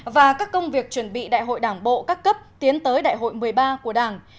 và các công việc chuẩn bị đại hội đảng bộ các cấp tiến tới đại hội một mươi ba của đảng